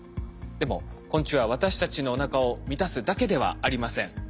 でも昆虫は私たちのおなかを満たすだけではありません。